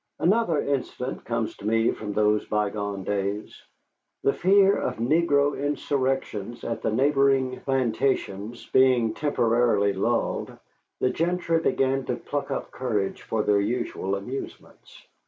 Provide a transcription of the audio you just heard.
Another incident comes to me from those bygone days. The fear of negro insurrections at the neighboring plantations being temporarily lulled, the gentry began to pluck up courage for their usual amusements.